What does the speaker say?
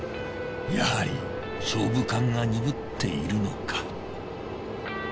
やはり勝負勘が鈍っているのか。